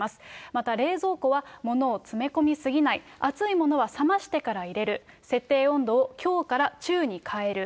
また冷蔵庫はものを詰め込み過ぎない、熱いものは冷ましてから入れる、設定温度を強から中に変える。